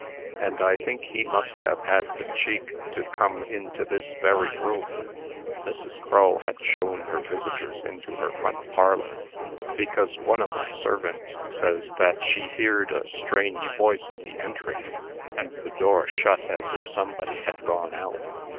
And I think he must have had the cheek to come into this very room" (Mrs. Crull had shown her visitors into her front parlor), "because one o' my servants says that she heerd a strange voice in the entry, and the door shut as if somebody had gone out.